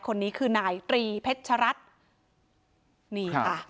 คนนี้คือนายตรีเพชรรัติ